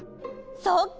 そっか！